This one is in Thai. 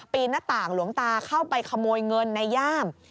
หน้าต่างหลวงตาเข้าไปขโมยเงินในย่าม